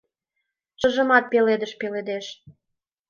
— Шыжымат пеледыш пеледеш!